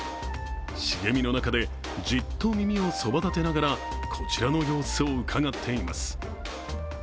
茂みの中で、じっと耳をそばだてながらこちらの様子をうかがっています。